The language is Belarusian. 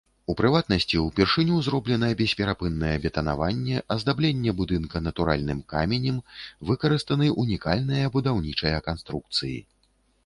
У прыватнасці, упершыню зроблена бесперапыннае бетанаванне, аздабленне будынка натуральным каменем, выкарыстаны ўнікальныя будаўнічыя канструкцыі.